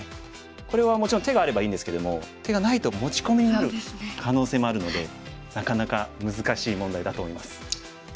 これはもちろん手があればいいんですけども手がないと持ち込みになる可能性もあるのでなかなか難しい問題だと思います。